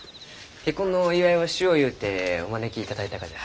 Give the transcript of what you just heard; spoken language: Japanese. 結婚のお祝いをしようゆうてお招きいただいたがじゃ。